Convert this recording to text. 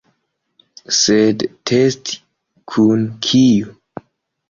Sed testi kun kiu?